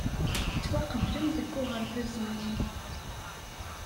Tettwaqeblem deg uɣerbaz-nni.